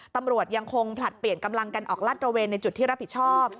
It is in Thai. ตำรวจยังคงผลัดเปลี่ยนกำลังกันออกลัดระเวนในจุดที่รับผิดชอบ